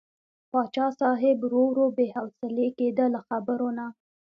پاچا صاحب ورو ورو بې حوصلې کېده له خبرو نه.